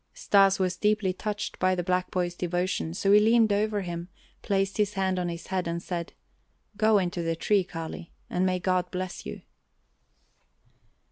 Stas was deeply touched by the black boy's devotion, so he leaned over him, placed his hand on his head, and said: "Go into the tree, Kali and may God bless you!"